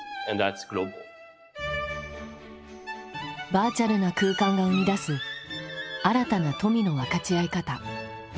バーチャルな空間が生み出す新たな富の分かち合い方。